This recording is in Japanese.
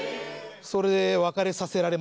それで別れさせられました僕。